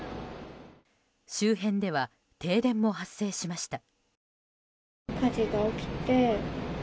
周辺では停電も発生しました。